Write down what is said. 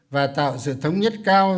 và tạo sự thống nhất cao